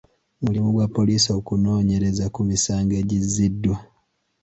Mulimu gwa poliisi okunoonyereza ku misango egizziddwa.